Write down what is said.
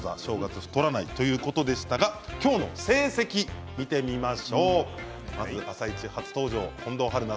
太らないということでしたが今日の成績、見てみましょう。